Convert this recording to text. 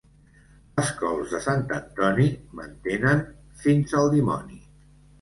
Les cols de Sant Antoni mantenen fins al dimoni.